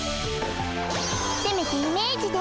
せめてイメージで。